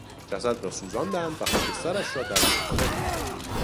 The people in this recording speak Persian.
جسد را سوزاندند و خاکسترش را در رودخانه ریختند.